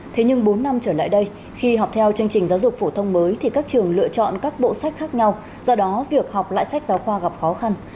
thế nhưng bốn năm trở lại đây khi học theo chương trình giáo dục phổ thông mới thì các trường lựa chọn các bộ sách khác nhau do đó việc học lại sách giáo khoa gặp khó khăn